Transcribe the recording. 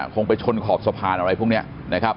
คงไปชนขอบสะพานอะไรพวกนี้นะครับ